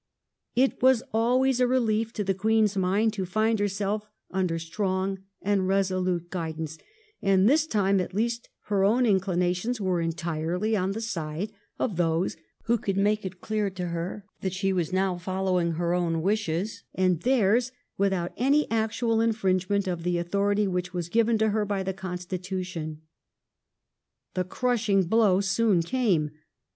It was always a relief to the Queen's mind to find herself under strong and resolute guidance, and this time, at least, her own inclinations were entirely on the side of those who could make it clear to her that she was now following her own wishes and theirs without any actual infringement of the authority which was given to her by the constitution. The crushing blow soon came.